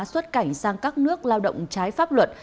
xuất cảnh sang các nước lao động trái pháp luật